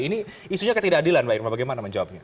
ini isunya ketidakadilan mbak irma bagaimana menjawabnya